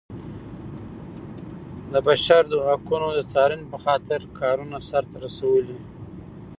د بشر د حقونو د څارنې په خاطر کارونه سرته رسولي.